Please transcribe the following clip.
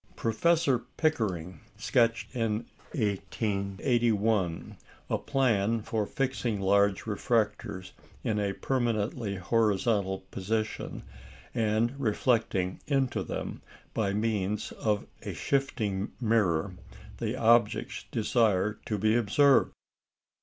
Professor Pickering sketched, in 1881, a plan for fixing large refractors in a permanently horizontal position, and reflecting into them, by means of a shifting mirror, the objects desired to be observed.